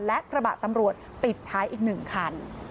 และกระบะตำรวจปิดท้ายอีก๑คัน